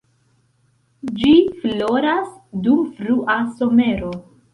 Ĝi floras dum frua somero.